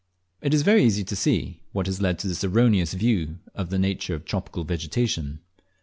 It is very easy to see what has led to this erroneous view of the nature of tropical vegetation.